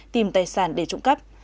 tìm tài sản để trụng cấp